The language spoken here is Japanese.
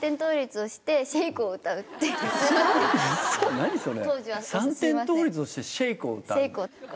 何それ！